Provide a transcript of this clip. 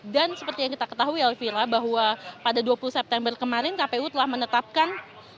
dan seperti yang kita ketahui elvira bahwa pada dua puluh september kemarin kpu telah menetapkan